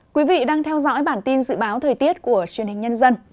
quý vị đang theo dõi bản tin dự báo thời tiết của truyền hình nhân dân